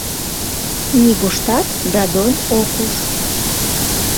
Нигуштат Дадон ок уж.